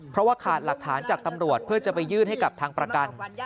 เพราะว่าขาดหลักฐานจากตำรวจเพื่อจะไปยื่นให้กับทางประกัน